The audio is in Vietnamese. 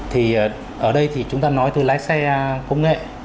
thì ở đây thì chúng ta nói từ lái xe công nghệ